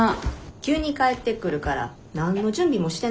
急に帰ってくるから何の準備もしてないよ。